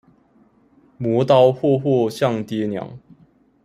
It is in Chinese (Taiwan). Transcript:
磨刀霍霍向爹娘